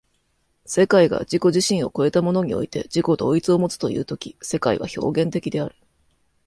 世界が自己自身を越えたものにおいて自己同一をもつという時世界は表現的である。